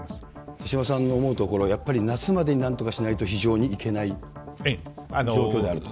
手嶋さんの思うところ、やっぱり夏までになんとかしないと非常にいけない状況であると。